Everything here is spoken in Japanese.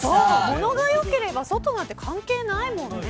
ものが良ければ外なんて関係ないもんね。